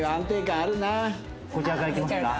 こちらからいきますか？